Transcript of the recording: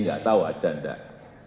enggak tahu ada enggak